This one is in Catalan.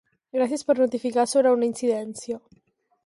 Gràcies per notificar sobre una incidència.